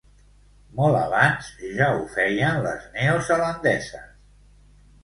Molt abans, ja ho feien les neozelandeses.